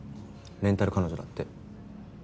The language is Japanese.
レンタル彼女だって。